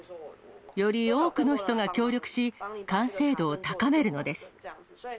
より多くの人が協力し、完成度を高めるのです。